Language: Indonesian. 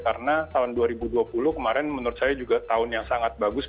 karena tahun dua ribu dua puluh kemarin menurut saya juga tahun yang sangat bagus